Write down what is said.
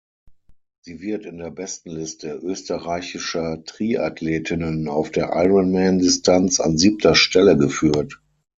Sie wird in der Bestenliste österreichischer Triathletinnen auf der Ironman-Distanz an siebter Stelle geführt.